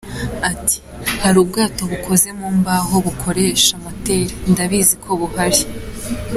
Ati “Hari ubwato bukoze mu mbaho bukoresha moteri, ndabizi ko buhari.